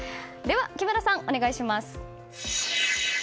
木村さん、お願いします。